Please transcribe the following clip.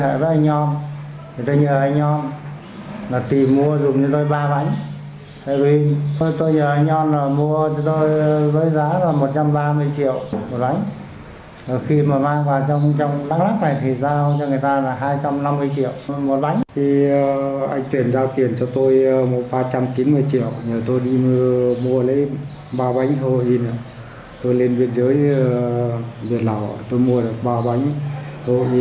ba trăm chín mươi triệu tôi đi mua lấy ba bánh heroin tôi lên huyện giới huyện lào tôi mua được ba bánh heroin là giá một trăm hai mươi năm triệu một bánh